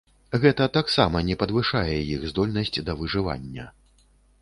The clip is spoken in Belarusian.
Гэта таксама не падвышае іх здольнасць да выжывання.